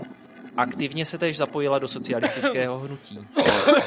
Aktivně se též zapojila do socialistického hnutí.